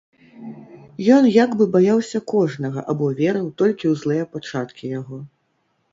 Ён як бы баяўся кожнага або верыў толькі ў злыя пачаткі яго.